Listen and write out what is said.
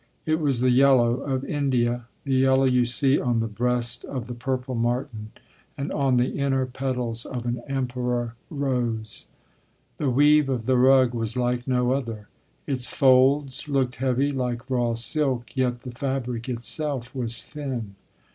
It was the yellow of India, the yellow you see on the breast of the purple martin and on the inner petals of an Emperor rose. The weave of the rug was like no other. Its folds looked heavy like raw silk, yet the fabric itself was thin.